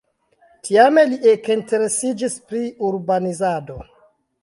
Tiame li ekinteresiĝis pri urbanizado.